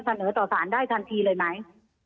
เสนอต่อสารได้ทันทีเลยไหม